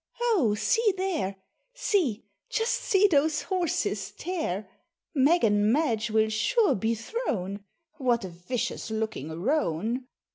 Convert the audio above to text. Oh, see there, See just see those horses tear! Meg and Madge will sure be thrown. What a vicious looking roan!